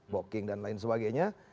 boking dan lain sebagainya